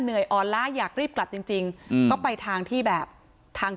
อ่อนล้าอยากรีบกลับจริงจริงอืมก็ไปทางที่แบบทาง